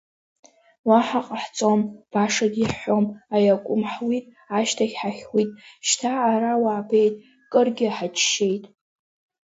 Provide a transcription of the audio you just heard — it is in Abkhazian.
Уаҳа ҟаҳҵом, башагь иаҳҳәом, Аиакәым ҳуит, ашьҭахь ҳахьхәит, шьҭа ара уаабеит, Кыргьы ҳаччеит…